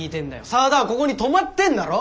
沢田はここに泊まってんだろ！